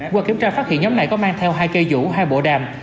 qua kiểm tra phát hiện nhóm này có mang theo hai cây dũ hai bộ đàm